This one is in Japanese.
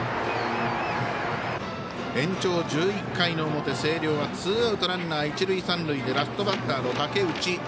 延長１１回の表、星稜はツーアウトランナー、一塁三塁でラストバッターの武内。